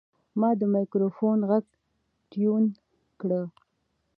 ما د مایکروفون غږ ټیون کړ.